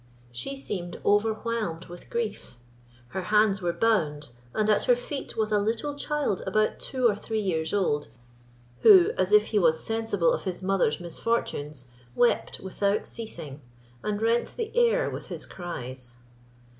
She seemed overwhelmed with grief; her hands were bound, and at her feet was a little child about two or three years old, who, as if he was sensible of his mother's misfortunes, wept without ceasing, and rent the air with his cries.